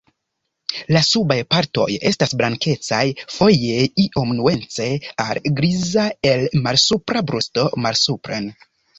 La subaj partoj estas blankecaj, foje iom nuance al griza el malsupra brusto malsupren.